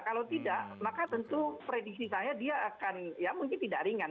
kalau tidak maka tentu prediksi saya dia akan ya mungkin tidak ringan